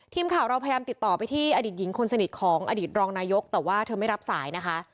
ทีมข่าวเราพยายามติดต่อไปที่อดีตหญิงคนสนิทของอดีตรองนายกแต่ว่าเธอไม่รับสายนะคะ